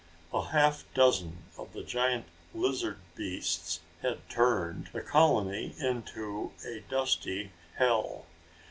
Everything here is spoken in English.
A half dozen of the giant lizard beasts had turned, the colony into a dusty hell.